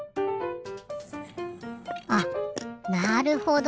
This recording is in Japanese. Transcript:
あなるほど。